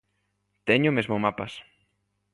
Teño mesmo mapas.